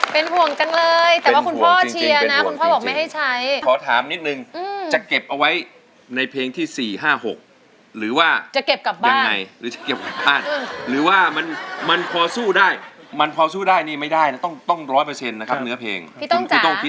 เป็นห่วงจังเลยแต่ว่าคุณพ่อเชียร์นะคุณพ่อบอกไม่ให้ใช้ขอถามนิดนึงจะเก็บเอาไว้ในเพลงที่๔๕๖หรือว่าจะเก็บกลับบ้านยังไงหรือจะเก็บกลับบ้านหรือว่ามันมันพอสู้ได้มันพอสู้ได้นี่ไม่ได้นะต้องต้องร้อยเปอร์เซ็นต์นะครับเนื้อเพลงที่ต้องคิด